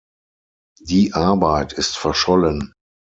Die Arbeit ist verschollen.